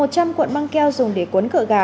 một trăm linh cuộn băng keo dùng để cuốn cửa gà